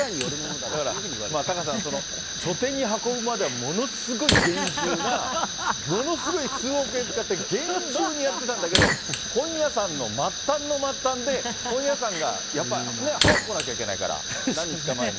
だから、タカさん、書店に運ぶまではものすごい厳重な、ものすごい数億円使って、厳重にやってたんだけど、本屋さんの末端の末端で、本屋さんがやっぱり、早く来なきゃいけないから、何日か前に。